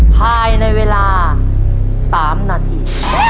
ภายในเวลา๓นาที